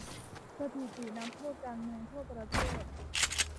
สถิตินักโทษการเมืองทั่วประเทศ